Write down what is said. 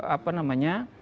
kalau apa namanya